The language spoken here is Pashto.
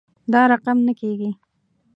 دا رقم نه کیږي